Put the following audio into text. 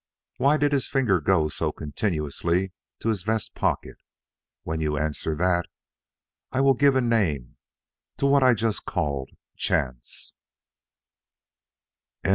"Why did his finger go so continuously to his vest pocket? When you answer that, I will give a name to what I just called chance."